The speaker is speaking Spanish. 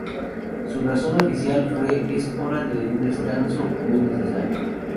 Su razón oficial fue "Es hora de un descanso muy necesario".